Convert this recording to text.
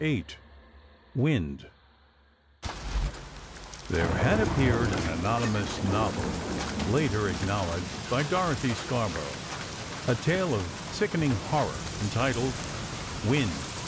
VIII "WIND" There had appeared an anonymous novel (later acknowledged by Dorothy Scarborough), a tale of sickening horror, entitled "Wind."